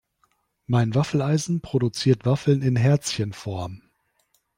Mein Waffeleisen produziert Waffeln in Herzchenform.